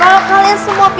kalau kali ya enggak